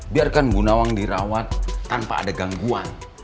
biarkan bunda awang dirawat tanpa ada gangguan